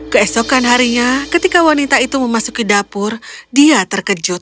keesokan harinya ketika wanita itu memasuki dapur dia terkejut